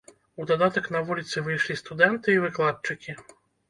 У дадатак на вуліцы выйшлі студэнты і выкладчыкі.